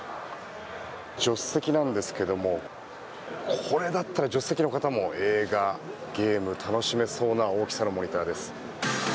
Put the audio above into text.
助手席なんですけどもこれだったら助手席の方も映画、ゲーム楽しめそうな大きさのモニターです。